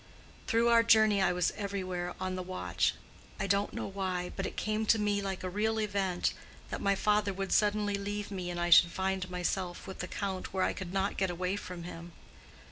Through our journey I was everywhere on the watch. I don't know why, but it came before me like a real event, that my father would suddenly leave me and I should find myself with the Count where I could not get away from him.